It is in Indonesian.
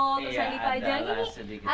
terus yang dipajang